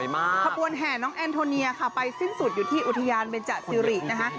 ขบวนแห่น้องแอนโทเนียค่ะไปสิ้นสุดอยู่ที่อุทยานเบนจสิรินะคะ